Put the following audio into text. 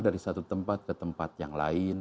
dari satu tempat ke tempat yang lain